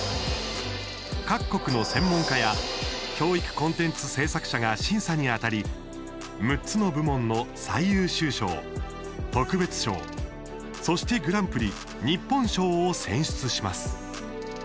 各国の専門家や教育コンテンツ制作者が審査にあたり６つの部門の最優秀賞、特別賞そして、グランプリ日本賞を選出します。